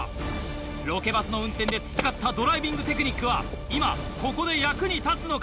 ロケバスの運転で培ったドライビングテクニックは今ここで役に立つのか？